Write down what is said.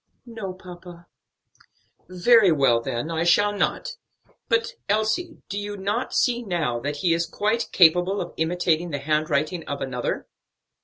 "No, papa." "Very well, then I shall not. But, Elsie, do you not see now that he is quite capable of imitating the handwriting of another?"